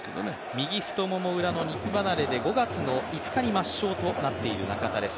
右太もも裏の肉離れで５月５日に抹消となっている中田です。